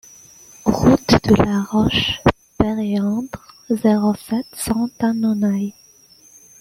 Route de la Roche Péréandre, zéro sept, cent Annonay